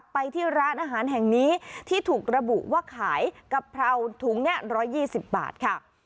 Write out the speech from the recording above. ไปที่ร้านอาหารแห่งนี้ที่ถูกระบุว่าขายกะเพราถุงนี้๑๒๐บาทค่ะ